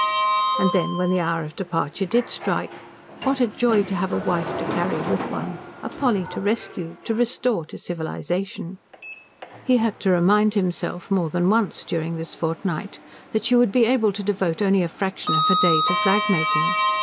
And then, when the hour of departure did strike, what a joy to have a wife to carry with one a Polly to rescue, to restore to civilisation! He had to remind himself more than once, during this fortnight, that she would be able to devote only a fraction of her day to flagmaking.